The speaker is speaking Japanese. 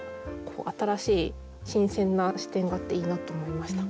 新しい新鮮な視点があっていいなと思いました。